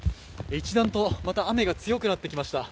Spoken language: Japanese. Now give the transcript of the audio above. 一段とまた雨が強くなってきました。